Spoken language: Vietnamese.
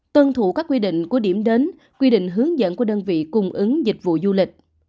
tuân thủ các quy định của điểm đến quy định hướng dẫn của đơn vị cung ứng dịch vụ du lịch